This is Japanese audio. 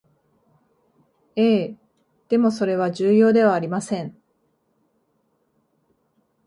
ええ、でもそれは重要ではありません